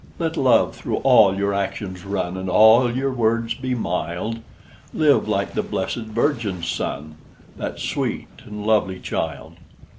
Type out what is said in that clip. Let love through all your actions run, And all your words be mild; Live like the blessèd Virgin's Son, That sweet and lovely child.